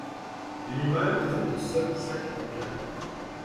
Les mâles présentent un seul sac vocal.